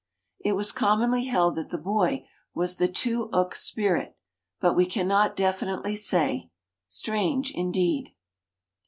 It was commonly held that the boy was the Too uk Spirit, but we cannot definitely say. Strange, indeed!